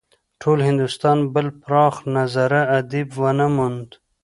ټول هندوستان بل پراخ نظره ادیب ونه موند.